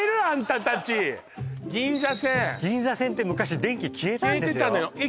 あんたたち銀座線銀座線って昔電気消えたんですよ